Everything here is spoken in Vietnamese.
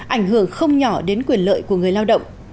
ảnh hưởng không nhỏ đến quyền lợi của người lao động